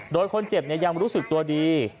โดยคนเจ็บยังรู้สึกตัวดี